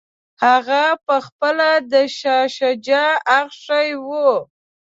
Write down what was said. هغه پخپله د شاه شجاع اخښی وو.